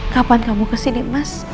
kapan kamu kesini mas